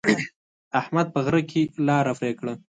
احمد په غره کې لاره پرې کړه.